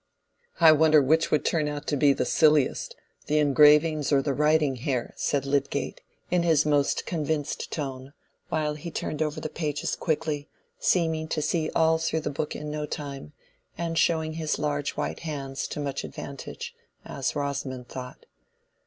"I wonder which would turn out to be the silliest—the engravings or the writing here," said Lydgate, in his most convinced tone, while he turned over the pages quickly, seeming to see all through the book in no time, and showing his large white hands to much advantage, as Rosamond thought.